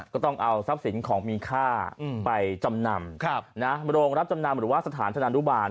ก็ต้องเอาทรัพย์สินของมีค่าไปจำนำโรงรับจำนำหรือว่าสถานธนานุบาล